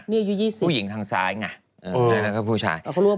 นี่อายุ๒๐ผู้หญิงทางซ้ายไงแล้วก็ผู้ชาย